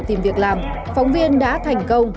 tìm việc làm phóng viên đã thành công